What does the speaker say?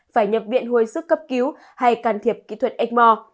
phải nhập viện hồi sức cấp cứu hay can thiệp kỹ thuật ếchmore